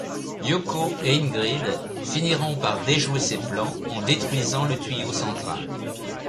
Yoko et Ingrid finiront par déjouer ses plans en détruisant le tuyau central.